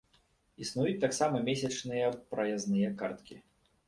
Існуюць таксама месячныя праязныя карткі.